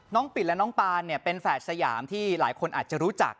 ปิดและน้องปานเนี่ยเป็นแฝดสยามที่หลายคนอาจจะรู้จัก